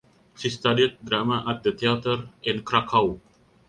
She studied drama at the theatre in Krakow.